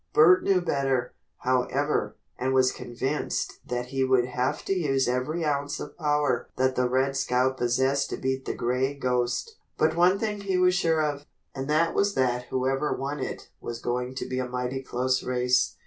Bert knew better, however, and was convinced that he would have to use every ounce of power that the "Red Scout" possessed to beat the "Gray Ghost." But one thing he was sure of, and that was that whoever won it was going to be a mighty close race.